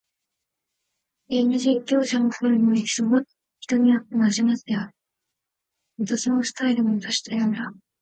ゲーム実況者の声の大きさは、人によってまちまちである。また、そのスタイルも多種多様だ。